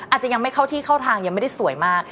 อาจจะยังไม่เข้าที่เข้าทางยังไม่ได้สวยมาก